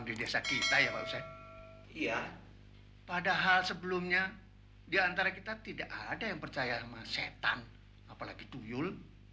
iya ih padahal sebelum nya dia antara kita tidak ada yang mempercayai tuyul